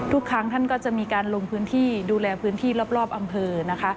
ทุกครั้งท่านก็จะมีการลงพื้นที่ดูแลพื้นที่รอบอำเภอนะคะ